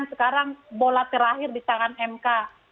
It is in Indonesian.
sekarang bola terakhir di tangan mk